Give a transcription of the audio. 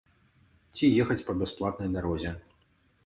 Ці ехаць па бясплатнай дарозе.